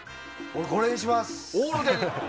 俺、これにします！